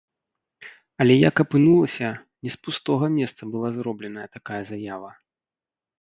Але як апынулася, не з пустога месца была зробленая такая заява.